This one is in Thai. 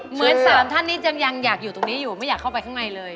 เหมือนสามท่านนี้ยังอยากอยู่ตรงนี้อยู่ไม่อยากเข้าไปข้างในเลย